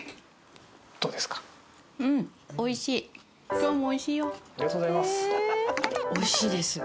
今日もおいしいよ。